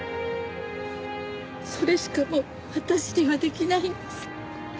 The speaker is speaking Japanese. それしかもう私にはできないんです。